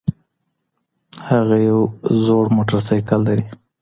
هغه يو زوړ موټرسايکل لري